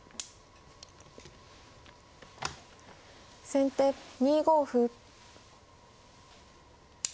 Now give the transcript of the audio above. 先手２五歩。